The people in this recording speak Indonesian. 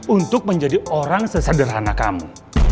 untuk menjadi orang sesederhana kamu